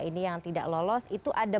ini yang tidak lolos itu ada